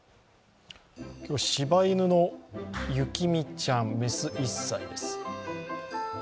今日は柴犬のゆきみちゃん、雌、１歳です。